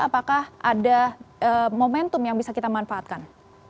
apakah ada momentum yang bisa kita manfaatkan